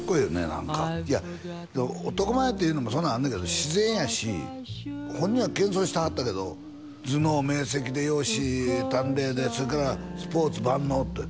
何かいや男前っていうのもそんなんあんねんけど自然やし本人は謙遜してはったけど頭脳明晰で容姿端麗でそれからスポーツ万能という